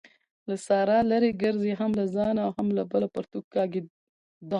له سارا لري ګرځئ؛ هم له ځانه او هم بله پرتوګ کاږي.